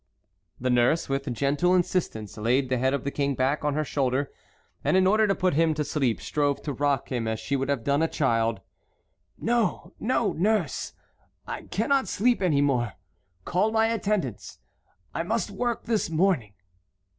The nurse, with gentle insistence, laid the head of the King back on her shoulder, and in order to put him to sleep strove to rock him as she would have done a child. "No, no, nurse, I cannot sleep any more. Call my attendants. I must work this morning."